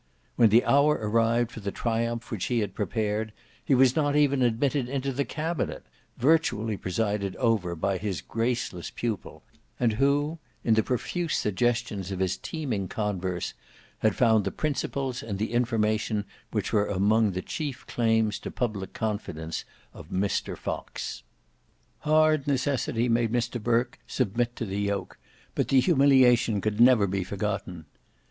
When the hour arrived for the triumph which he had prepared, he was not even admitted into the Cabinet, virtually presided over by his graceless pupil, and who, in the profuse suggestions of his teeming converse, had found the principles and the information which were among the chief claims to public confidence of Mr Fox. Hard necessity made Mr Burke submit to the yoke, but the humiliation could never be forgotten.